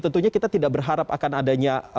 tentunya kita tidak berharap akan adanya